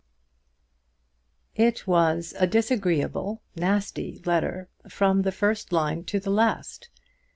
It was a disagreeable, nasty letter from the first line to the last.